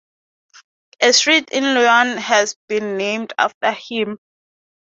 A street in Lyon has been named after him.